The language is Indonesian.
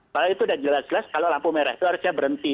kalau itu sudah jelas jelas kalau lampu merah itu harusnya berhenti